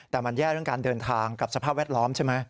แต่มันแย่เรื่องการเดินทางกับสภาพแวดล้อมใช่ไหม